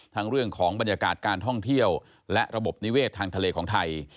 เรื่องของบรรยากาศการท่องเที่ยวและระบบนิเวศทางทะเลของไทย